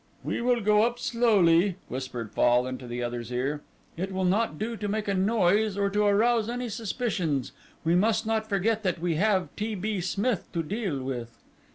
"We will go up slowly," whispered Fall in the other's ear; "it will not do to make a noise or to arouse any suspicions; we must not forget that we have T. B. Smith to deal with."